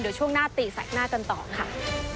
เดี๋ยวช่วงหน้าตีแสกหน้ากันต่อค่ะ